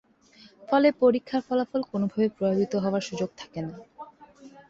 ফলে, পরীক্ষার ফলাফল কোনভাবে প্রভাবিত হওয়ার সুযোগ থাকেনা।